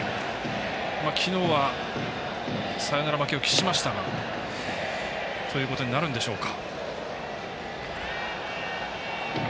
昨日はサヨナラ負けを喫しましたがそういうことになるのでしょうか。